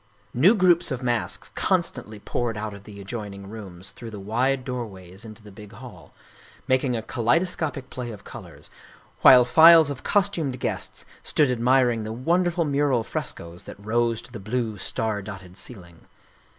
New groups of masks constantly poured out of the ad joining rooms through the wide doorways into the big hall, making a kaleidoscopic play of colors, while files of cos tumed guests stood admiring the wonderful mural frescoes that rose to the blue, star dotted ceiling.